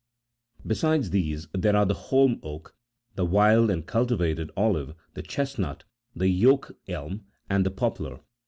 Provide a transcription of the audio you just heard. Besides these, there are the holm oak, the wild and the cultivated olive, the ehesnut, the yoke elm, and the poplar.